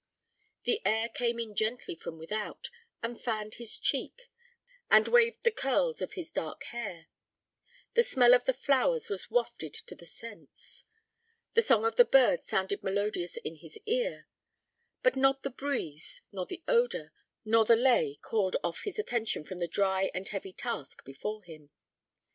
The air came in gently from without, and fanned his cheek, and waved the curls of his dark hair; the smell of the flowers was wafted to the sense; the song of the bird sounded melodious in his ear; but not the breeze, nor the odour, nor the lay called off his attention from the dry and heavy task before him.